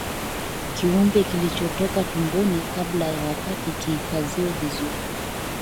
Kiumbe kilichotoka tumboni kabla ya wakati kihifadhiwe vizuri